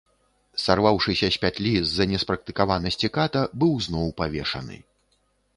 Сарваўшыся з пятлі з-за неспрактыкаванасці ката, быў зноў павешаны.